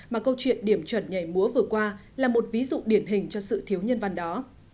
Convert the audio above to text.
mà câu chuyện điểm chuẩn nhảy múa vừa qua là một ví dụ điển hình cho sự thiếu nhân văn đó